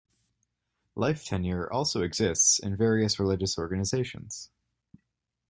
Life tenure also exists in various religious organizations.